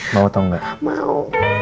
mau atau enggak mau